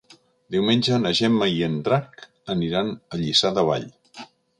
Diumenge na Gemma i en Drac aniran a Lliçà de Vall.